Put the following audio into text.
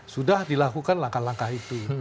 sudah dilakukan langkah langkah itu